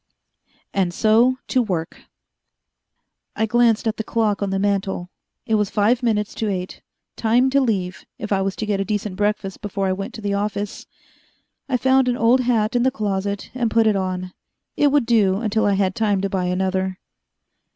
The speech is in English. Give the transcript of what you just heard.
And So to Work I glanced at the clock on the mantel. It was five minutes to eight: time to leave, if I was to get a decent breakfast before I went to the office. I found an old hat in the closet and put it on. It would do until I had time to buy another.